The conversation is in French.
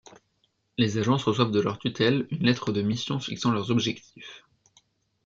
Les agences reçoivent de leur tutelle une lettre de mission fixant leurs objectifs.